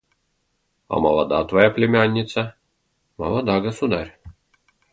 – «А молода твоя племянница?» – «Молода, государь».